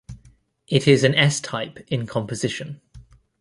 It is an S-type in composition.